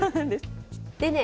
でね